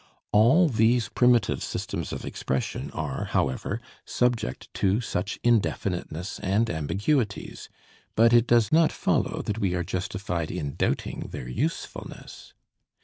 All these primitive systems of expression are, however, subject to such indefiniteness and ambiguities, but it does not follow that we are justified in doubting their usefulness.